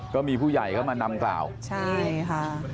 ก็มีผู้ใหญ่เข้ามานำกล่าวใช่ค่ะ